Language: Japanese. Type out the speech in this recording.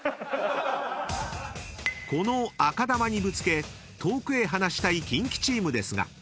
［この赤球にぶつけ遠くへ離したいキンキチームですが］